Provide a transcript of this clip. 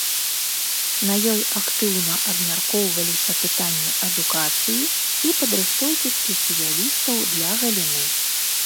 На ёй актыўна абмяркоўваліся пытанні адукацыі і падрыхтоўкі спецыялістаў для галіны.